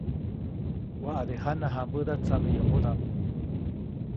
Waʼade jana jãmbäda tsameyomodaʼm.